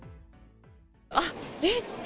あっ、えって。